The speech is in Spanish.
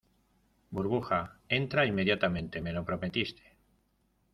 burbuja, entra inmediatamente. me lo prometiste .